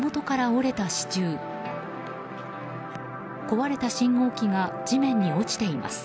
壊れた信号機が地面に落ちています。